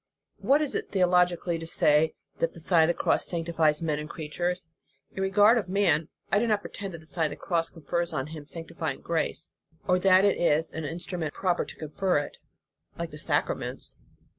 What is it, theologically, to say that the Sign of the Cross sanctifies man and crea tures? In regard of man, I do not pretend that the Sign of the Cross confers on him sanctifying grace, or that it is an instrument proper to confer it, like the sacraments.